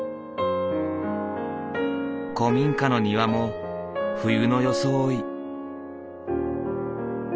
古民家の庭も冬の装い。